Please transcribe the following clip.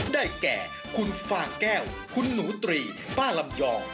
ได้แก่คุณฟางแก้วคุณหนูตรีป้าลำยอง